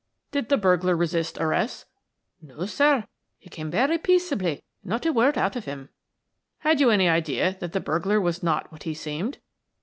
"Did the burglar resist arrest?" "No, sir; he came very peaceably and not a word out of him." "Had you any idea that the burglar was not what he seemed?"